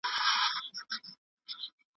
ډیپلوماسي باید د نړۍ له قوانینو سره سمه وي.